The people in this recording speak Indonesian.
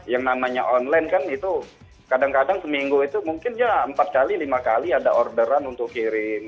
yang namanya online kan itu kadang kadang seminggu itu mungkin ya empat kali lima kali ada orderan untuk kirim